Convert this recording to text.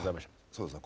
そうですね。